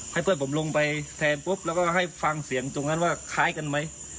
เพื่อนผมลงไปแทนปุ๊บแล้วก็ให้ฟังเสียงตรงนั้นว่าคล้ายกันไหม